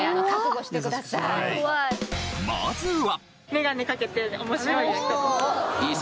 まずは。